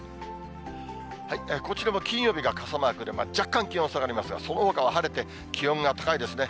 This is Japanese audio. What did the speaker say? こちらも金曜日が傘マークでじゃっかんきおんさがりますがそのほかは晴れて、気温が高いですね。